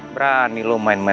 berani lu main main